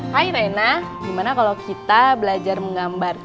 hai reina gimana kalau kita belajar menggambar ya